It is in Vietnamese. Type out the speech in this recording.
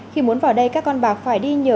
khi muốn vào đây các con bạc phải đi nhờ